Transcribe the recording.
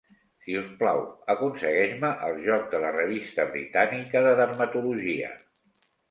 Si us plau, aconsegueix-me el joc de la Revista Britànica de Dermatologia.